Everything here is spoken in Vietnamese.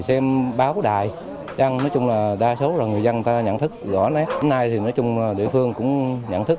xem báo bức đài nói chung là đa số là người dân ta nhận thức rõ nét hôm nay thì chúng ta có thể nhận thức